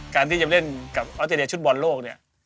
การที่จะเล่นกับออสเตรเลียชุดบอลโลกเนี่ย